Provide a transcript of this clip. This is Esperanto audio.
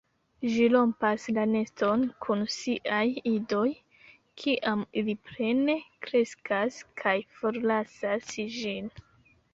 Ĝi rompas la neston kun siaj idoj, kiam ili plene kreskas, kaj forlasas ĝin.